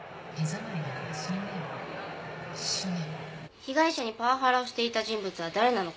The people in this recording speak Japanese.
被害者にパワハラをしていた人物は誰なのか？